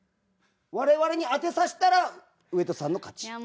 我々に当てさしたら上戸さんの勝ち。